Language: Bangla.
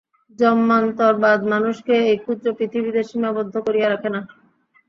জন্মান্তরবাদ মানুষকে এই ক্ষুদ্র পৃথিবীতে সীমাবদ্ধ করিয়া রাখে না।